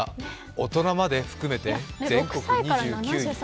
大人まで含めて全国２９位。